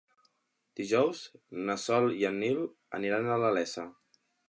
Dijous na Sol i en Nil aniran a la Iessa.